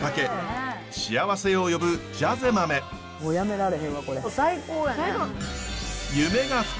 もうやめられへんわこれ。